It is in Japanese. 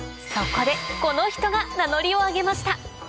そこでこの人が名乗りを上げました